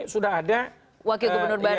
sudah ada wakil gubernur baru